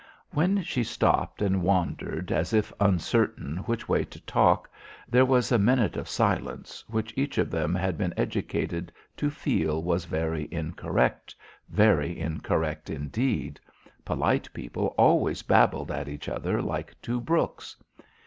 When she stopped and wandered as if uncertain which way to talk, there was a minute of silence, which each of them had been educated to feel was very incorrect; very incorrect indeed. Polite people always babbled at each other like two brooks.